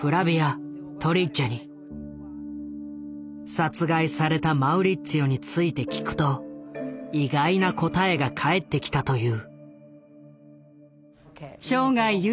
殺害されたマウリッツィオについて聞くと意外な答えが返ってきたという。